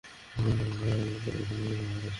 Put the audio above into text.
বিয়ের কথা আসলে, বয়স কোন ব্যাপার না।